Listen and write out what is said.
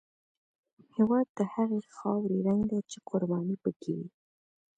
هېواد د هغې خاورې رنګ دی چې قرباني پکې وي.